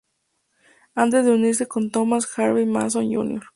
Antes de unirse con Thomas, Harvey Mason, Jr.